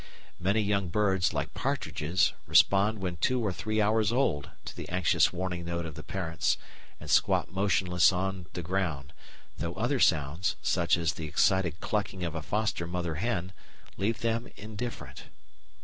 Many young birds, like partridges, respond when two or three hours old to the anxious warning note of the parents, and squat motionless on the ground, though other sounds, such as the excited clucking of a foster mother hen, leave them indifferent.